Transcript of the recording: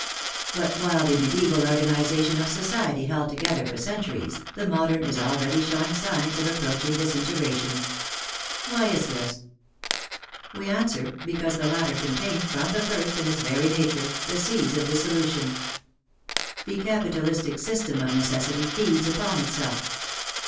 But while the medieval organization of society held together for cen turies, the modern is already showing signs of approach ing disintegration. Why is this? We answer, because the latter contained, from the first, in its very nature, the seeds of dissolution. The capitalistic system of ne cessity feeds upon itself.